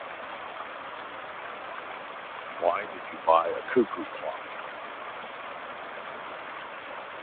Why did you buy a cuckoo clock?